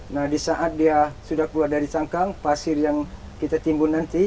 nah di saat dia sudah keluar dari cangkang pasir yang kita timbun nanti